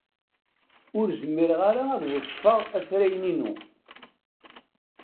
Ur zmireɣ ad d-weṣfeɣ afrayen-inu.